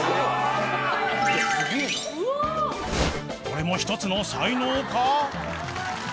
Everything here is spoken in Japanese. ［これも一つの才能か？］